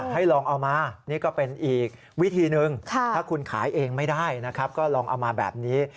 ให้ลองเอามานี่ก็เป็นอีกวิธีหนึ่งถ้าคุณขายเองไม่ได้นะครับก็ลองเอามาแบบนี้